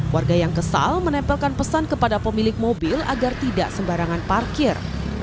warga yang kesal menempelkan pesan kepada pemilik mobil agar tidak sembarangan parkir